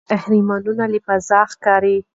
د مصر اهرامونه له فضا ښکاري.